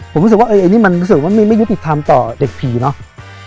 ผมรู้สึกว่ามันมีไม่ยุติธรรมต่อเด็กผีเนอะ